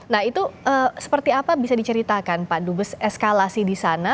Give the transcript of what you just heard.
nah itu seperti apa bisa diceritakan pak dubes eskalasi di sana